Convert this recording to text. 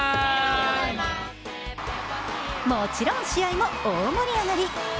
もちろん試合も大盛り上がり。